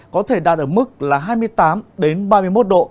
có thể đạt ở mức là hai mươi tám ba mươi một độ